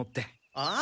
ああ。